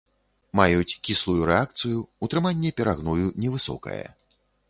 Маюць кіслую рэакцыю, утрыманне перагною невысокае.